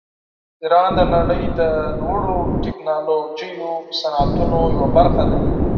ایران د نړۍ د لوړو ټیکنالوژیکو صنعتونو یوه برخه ده.